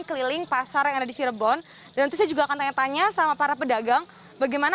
keliling pasar yang ada di cirebon dan nanti saya juga akan tanya tanya sama para pedagang bagaimana